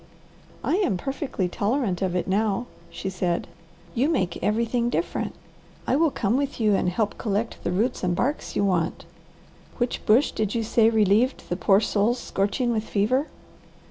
"I am perfectly tolerant of it now," she said. "You make everything different. I will come with you and help collect the roots and barks you want. Which bush did you say relieved the poor souls scorching with fever?"